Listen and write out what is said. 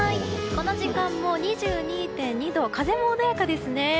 この時間も２２．２度風も穏やかですね。